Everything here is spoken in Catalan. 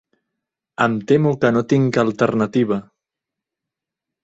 Em temo que no tinc alternativa.